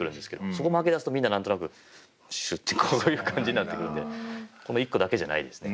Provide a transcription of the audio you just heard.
そこ負けだすとみんな何となくシュッてこういう感じになってくるのでこの１個だけじゃないですね。